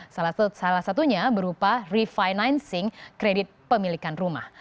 salah satunya berupa refinancing kredit pemilikan rumah